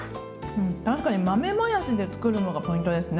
確かに豆もやしで作るのがポイントですね。